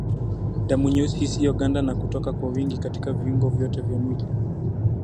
Damu nyeusi isiyoganda na kutoka kwa wingi katika viungo vyote vya mwili